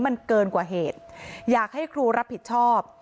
มันเกินกว่าเหตุอยากให้ครูรับผิดชอบ